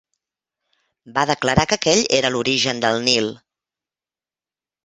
Va declarar que aquell era l'origen del Nil.